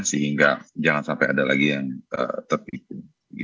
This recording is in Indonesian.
sehingga jangan sampai ada lagi yang tertipu